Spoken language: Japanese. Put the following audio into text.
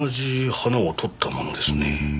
同じ花を撮ったものですね。